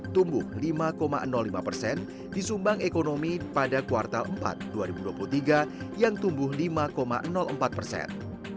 tumbuh lima lima persen disumbang ekonomi pada kuartal empat dua ribu dua puluh tiga yang tumbuh lima empat persen